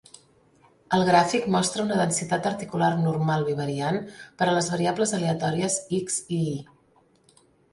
El gràfic mostra una densitat articular normal bivariant per a les variables aleatòries "X" i "Y".